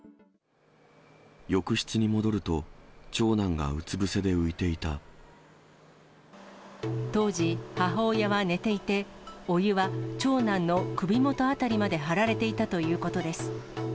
浴室に戻ると、長男がうつ伏当時、母親は寝ていて、お湯は長男の首元辺りまではられていたということです。